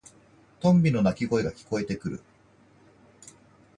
トンビの鳴き声が聞こえてくる。